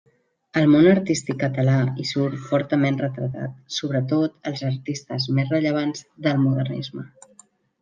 El món artístic català hi surt fortament retratat, sobretot els artistes més rellevants del Modernisme.